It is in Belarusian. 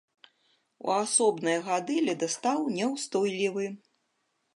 У асобныя гады ледастаў няўстойлівы.